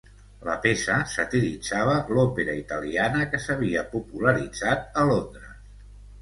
La peça satiritzava l'òpera italiana, que s'havia popularitzat a Londres.